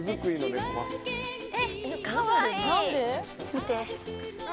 見て。